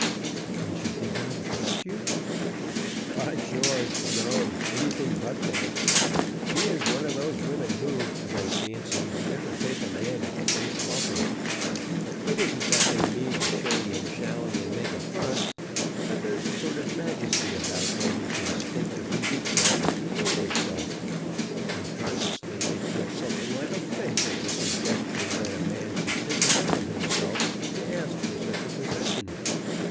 "Then she did not accept you?" "By George! no; anything but that. She is one of those women who, as I fancy, never take a man at the first offer. It isn't that they mean to shilly and shally and make a fuss, but there's a sort of majesty about them which instinctively declines to yield itself. Unconsciously they feel something like offence at the suggestion that a man should think enough of himself to ask for such a possession.